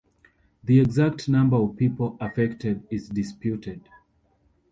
The exact number of people affected is disputed.